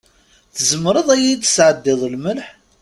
Tzemreḍ ad yi-d-tesɛeddiḍ lmelḥ?